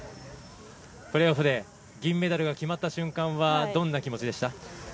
プレーオフで銀メダルが決まった瞬間はどんな気持ちでしたか？